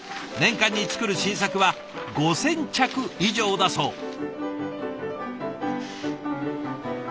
年間に作る新作は５，０００着以上だそう。